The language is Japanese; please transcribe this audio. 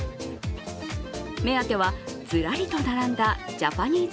目当ては、ずらりと並んだジャパニーズ